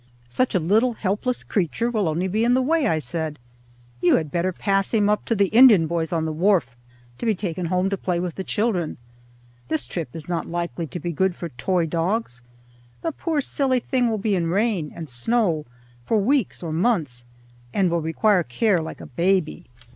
"Such a little helpless creature will only be in the way," I said; "you had better pass him up to the Indian boys on the wharf, to be taken home to play with the children. This trip is not likely to be good for toy dogs. The poor silly thing will be in rain and snow for weeks or months, and will require care like a baby."